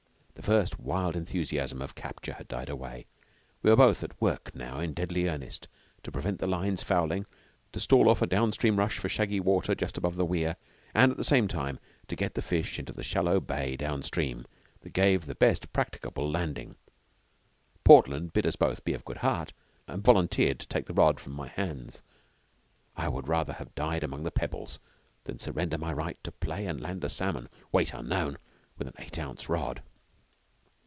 The first wild enthusiasm of capture had died away. We were both at work now in deadly earnest to prevent the lines fouling, to stall off a down stream rush for shaggy water just above the weir, and at the same time to get the fish into the shallow bay down stream that gave the best practicable landing. Portland bid us both be of good heart, and volunteered to take the rod from my hands. I would rather have died among the pebbles than surrender my right to play and land a salmon, weight unknown, with an eight ounce rod.